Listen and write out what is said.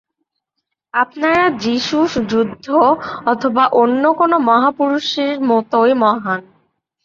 আপনারা যীশু বুদ্ধ অথবা অন্য কোন মহাপুরুষের মতই মহান্।